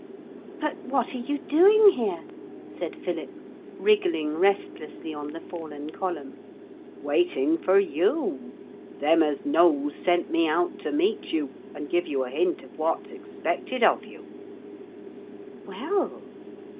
'But what are you doing here?' said Philip, wriggling restlessly on the fallen column. 'Waiting for you. Them as knows sent me out to meet you, and give you a hint of what's expected of you.' 'Well.